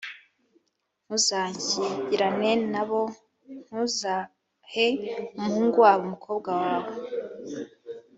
ntuzashyingirane na bo; ntuzahe umuhungu wabo umukobwa wawe